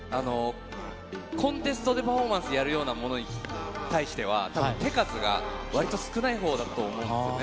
コンテストでパフォーマンスやるようなものに対しては、手数がわりと少ないほうだと思うんですよね。